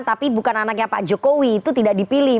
tapi bukan anaknya pak jokowi itu tidak dipilih